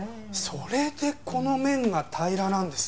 それでこの面が平らなんですね。